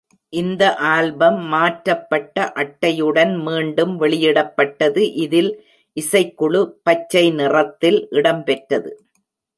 இந்த ஆல்பம் மாற்றப்பட்ட அட்டையுடன் மீண்டும் வெளியிடப்பட்டது, இதில் இசைக்குழு பச்சை நிறத்தில் இடம்பெற்றது.